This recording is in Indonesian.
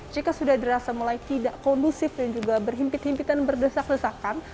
jika sudah dirasa mulai tidak kondusif dan juga berhimpit himpitan berdesak desakan